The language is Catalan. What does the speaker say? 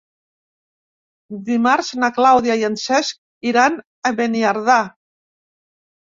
Dimarts na Clàudia i en Cesc iran a Beniardà.